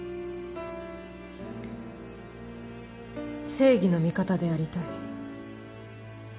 正義の味方でありたい。